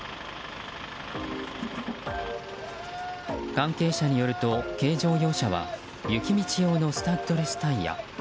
関係者によると、軽自動車は雪道用のスタッドレスタイヤ。